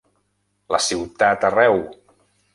La ciutat arreu!